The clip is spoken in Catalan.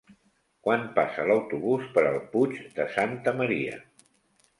Quan passa l'autobús per el Puig de Santa Maria?